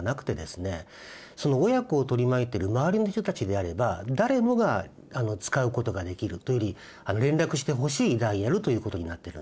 その親子を取り巻いてる周りの人たちであれば誰もが使うことができるというより連絡してほしいダイヤルということになっているんですね。